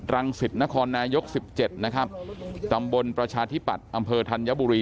สิตนครนายก๑๗นะครับตำบลประชาธิปัตย์อำเภอธัญบุรี